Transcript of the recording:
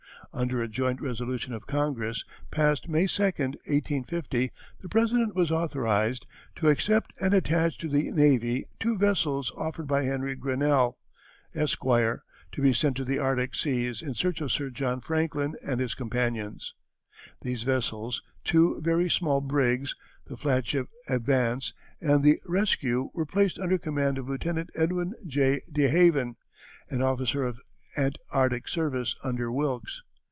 Under a joint resolution of Congress, passed May 2, 1850, the President was authorized "to accept and attach to the navy two vessels offered by Henry Grinnell, Esq., to be sent to the Arctic seas in search of Sir John Franklin and his companions." These vessels two very small brigs, the flagship Advance and the Rescue were placed under command of Lieutenant Edwin J. DeHaven, an officer of Antarctic service under Wilkes.